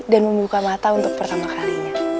dan membuka mata untuk pertama kalinya